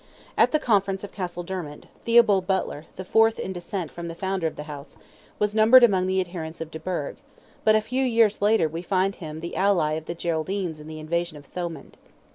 At the Conference of Castledermot, Theobald Butler, the fourth in descent from the founder of the house, was numbered among the adherents of de Burgh, but a few years later we find him the ally of the Geraldines in the invasion of Thomond.